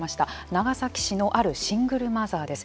長崎市のあるシングルマザーです。